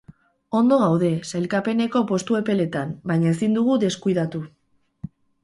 Ondo gaude, sailkapeneko postu epeletan, baina ezin dugu deskuidatu.